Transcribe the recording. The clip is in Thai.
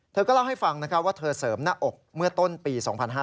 เธอก็เล่าให้ฟังว่าเธอเสริมหน้าอกเมื่อต้นปี๒๕๕๙